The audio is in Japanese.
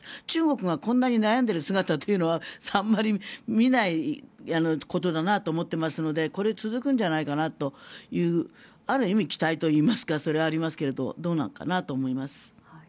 中国がこんなに悩んでいる姿というのはあんまり見ないことだなと思っていますのでこれは続くんじゃないかなとある意味、期待はありますがどうなのかなと思います。